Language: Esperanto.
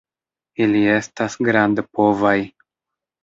Ili estas grandpovaj.